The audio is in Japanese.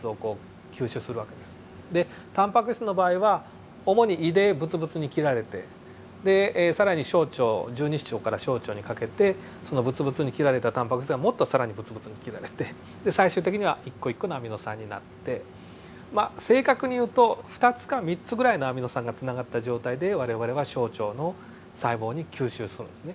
でタンパク質の場合は主に胃でブツブツに切られてで更に小腸十二指腸から小腸にかけてそのブツブツに切られたタンパク質がもっと更にブツブツに切られてで最終的には一個一個のアミノ酸になってまあ正確に言うと２つか３つぐらいのアミノ酸がつながった状態で我々は小腸の細胞に吸収するんですね。